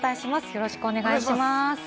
よろしくお願いします。